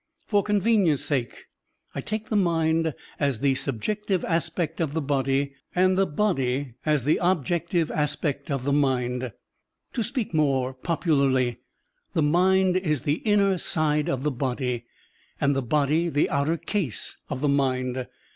For convenience* sake, I take the mind as the subjective aspect of the body and the body as the objective aspect of the mind. To speak more popularly, the mind is the inner side of the body and the body the outer case of the mind.